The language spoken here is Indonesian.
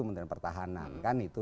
kementerian pertahanan kan itu